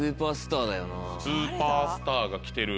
スーパースターが来てる。